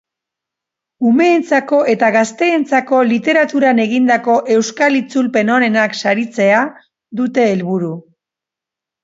Umeentzako eta gazteentzako literaturan egindako euskal itzulpen onenak saritzea dute helburu.